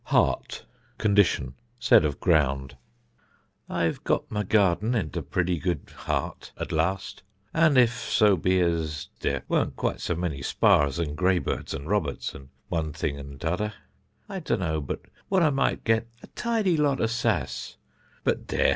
Heart (Condition; said of ground): "I've got my garden into pretty good heart at last, and if so be as there warn't quite so many sparrs and greybirds and roberts and one thing and t'other, I dunno but what I might get a tidy lot of sass. But there!